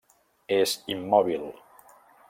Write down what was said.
És immòbil.